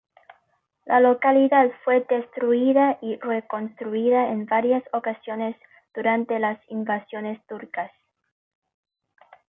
La localidad fue destruida y reconstruida en varias ocasiones durante las invasiones turcas.